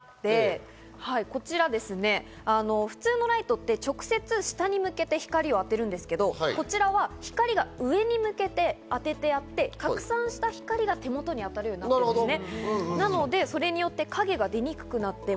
さらに光にも秘密があって、普通のライトって直接下に向けて光を当てるんですけど、こちらは光を上に向けて当ててやって拡散した光が手元にあたるようになってるんですね。